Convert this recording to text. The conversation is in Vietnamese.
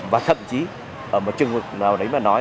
và thậm chí ở một trường hợp nào đấy mà nói